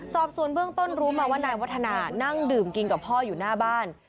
สอบส่วนเบื้องต้นรู้มาว่านายวัฒนานั่งดื่มกินกับพ่ออยู่หน้าบ้าน